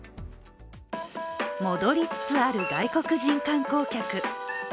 戻りつつある外国人観光客。